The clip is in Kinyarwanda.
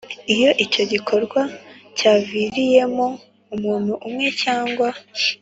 Iyo icyo gikorwa cyaviriyemo umuntu umwe cyangwa